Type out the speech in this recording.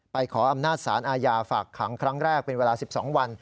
ขออำนาจสารอาญาฝากขังครั้งแรกเป็นเวลา๑๒วัน